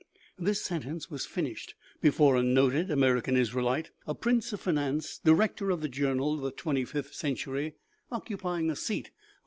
This sentence was finished before a noted Amer ican Israelite a prince of finance director of the journal The Twenty fifth Century, occupying a seat on 44 OMEGA